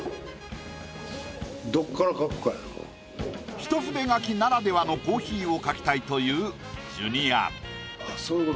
一筆書きならではのコーヒーを描きたいというジュニア。